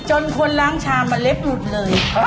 จนคนล้างชามแล้วเล็บหลุดเลย